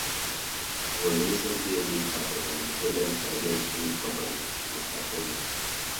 He was recently editor of an independent Canadian comic company, Mr. Comics.